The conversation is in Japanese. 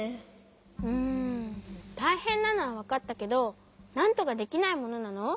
うんたいへんなのはわかったけどなんとかできないものなの？